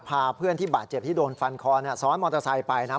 พาเพื่อนที่บาดเจ็บที่โดนฟันคอซ้อนมอเตอร์ไซค์ไปนะ